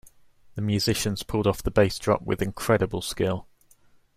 The musicians pulled off the bass drop with incredible skill.